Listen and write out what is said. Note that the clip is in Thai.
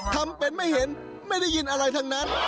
ทำเป็นไม่เห็นไม่ได้ยินอะไรทั้งนั้น